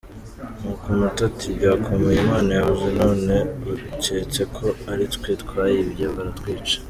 Nuko umuto ati " Byakomeye Imana yabuze none baketse ko ari twe twayibye baratwica.